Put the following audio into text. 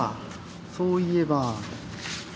そういえば。